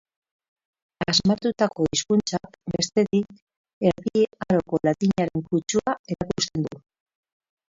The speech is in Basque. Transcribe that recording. Asmatutako hizkuntzak, bestetik, Erdi Aroko latinaren kutsua erakusten du.